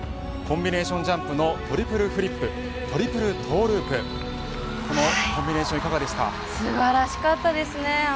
コンビネーションジャンプのトリプルフリップトリプルトゥループこのコンビネーション素晴らしかったです。